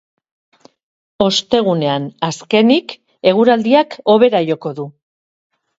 Ostegunean, azkenik, eguraldiak hobera joko du.